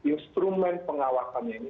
instrumen pengawasannya ini